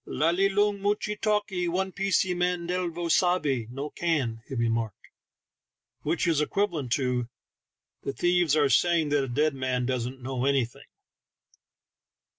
"La li loong muchee talkee one piecee man dielo savvey no can," he remarked, which is equivalent to "The thieves are saying that a dead man doesn't know anything."